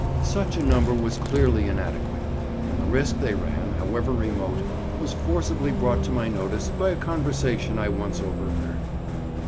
Such a number was clearly inadequate, and the risk they ran, however remote, was forcibly brought to my notice by a conversation I once overheard.